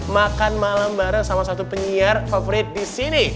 makan malam bareng sama satu penyiar favorit disini